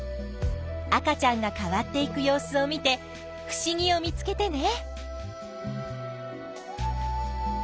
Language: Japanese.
赤ちゃんが変わっていく様子を見てふしぎを見つけてね。